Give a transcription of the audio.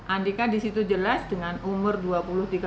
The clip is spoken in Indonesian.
andika disitu jelas dengan umur dua puluh tahun